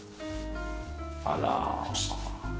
あら。